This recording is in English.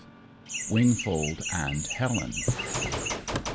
WINGFOLD AND HELEN.